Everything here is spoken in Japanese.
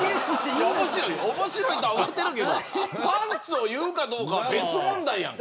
おもしろいとは思っているけどパンツを言うかどうかは別問題やん。